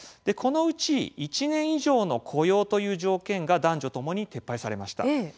このうち１年以上の雇用という条件が男女ともに撤廃されました。